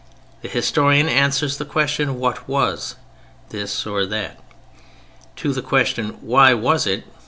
The historian answers the question, "What was?" this or that. To the question, "Why was it?"